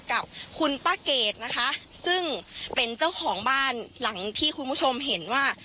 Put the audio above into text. กับคุณป้าเกดนะคะซึ่งเป็นเจ้าของบ้านหลังที่คุณผู้ชมเห็นว่า